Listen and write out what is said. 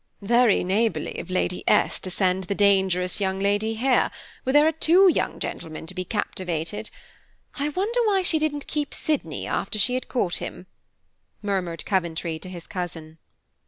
"Very neighborly of Lady S. to send the dangerous young lady here, where there are two young gentlemen to be captivated. I wonder why she didn't keep Sydney after she had caught him," murmured Coventry to his cousin.